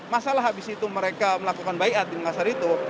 masalah habis itu mereka melakukan bayat di makassar itu